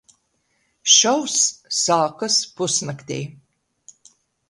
Šovs sākas pusnaktī.